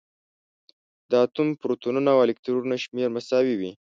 د اتوم پروتونونه او الکترونونه شمېر مساوي وي.